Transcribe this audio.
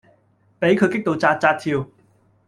比佢激到紥紥跳